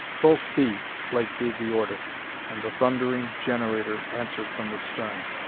"Full speed," Blake gave the order, and the thundering generator answered from the stern.